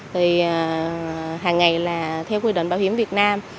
thì hàng ngày là theo quy định bảo hiểm việt nam